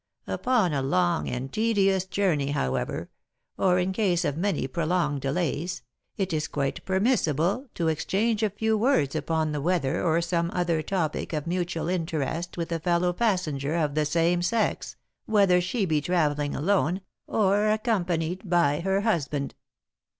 "'Upon a long and tedious journey, however, or in case of many prolonged delays, it is quite permissible to exchange a few words upon the weather or some other topic of mutual interest with a fellow passenger of the same sex, whether she be travelling alone, or accompanied by her husband.